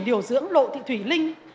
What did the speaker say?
điều dưỡng lộ thị thủy linh